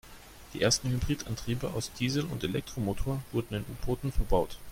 Die ersten Hybridantriebe aus Diesel- und Elektromotor wurden in U-Booten verbaut.